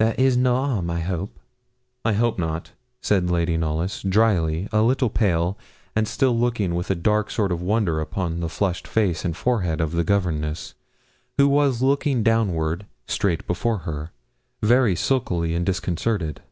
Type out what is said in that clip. There is no harm, I hope?' 'I hope not,' said Lady Knollys, drily, a little pale, and still looking with a dark sort of wonder upon the flushed face and forehead of the governess, who was looking downward, straight before her, very sulkily and disconcerted.